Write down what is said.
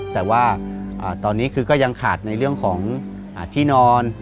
แต่ว่าตอนนี้คือก็ยังขาดในเรื่องของที่นอน